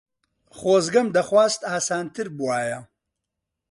خۆزگەم دەخواست ئاسانتر بووایە.